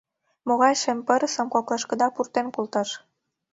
Могай шем пырысым коклашкыда пуртен колташ?